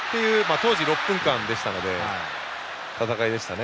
当時、６分間でしたので戦いでしたね。